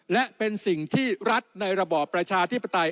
และเป็นสิ่งที่รัฐในระบอบประชาธิปไตย